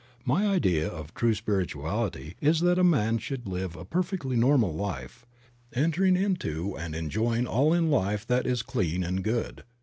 My idea of true spirituality is that a man should live a perfectly normal life, entering into and enjoying all in life that is clean and good.